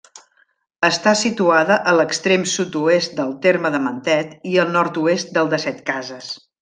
Està situada a l'extrem sud-oest del terme de Mentet i al nord-oest del de Setcases.